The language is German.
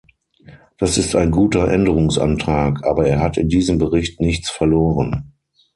Das ist ein guter Änderungsantrag, aber er hat in diesem Bericht nichts verloren.